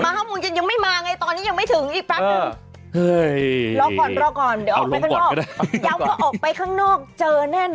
มา๕โมงเย็นยังไม่มาแงะตอนนี้ยังไม่ถึงอีกปั๊บนึง